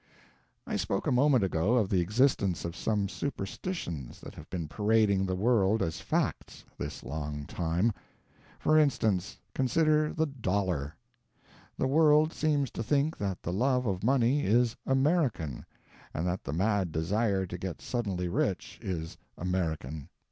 I spoke a moment ago of the existence of some superstitions that have been parading the world as facts this long time. For instance, consider the Dollar. The world seems to think that the love of money is "American"; and that the mad desire to get suddenly rich is "American."